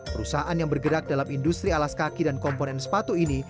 perusahaan yang bergerak dalam industri alas kaki dan komponen sepatu ini